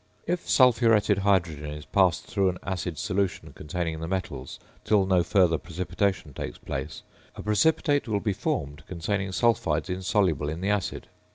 If sulphuretted hydrogen is passed through an acid solution containing the metals till no further precipitation takes place, a precipitate will be formed containing sulphides insoluble in the acid.